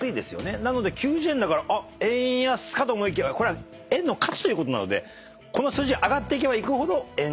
なので９０円だから円安かと思いきやこれは円の価値ということなのでこの数字が上がっていけばいくほど円が安くなる。